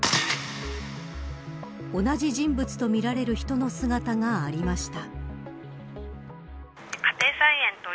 同じ人物とみられる人の姿がありました。